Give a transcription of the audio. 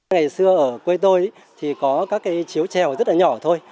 ngày xưa ở quê tôi thì có các chiếu trèo rất nhỏ thôi